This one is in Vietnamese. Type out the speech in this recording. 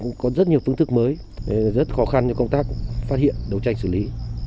cũng có rất nhiều phương thức mới rất khó khăn cho công tác phát hiện đấu tranh xử lý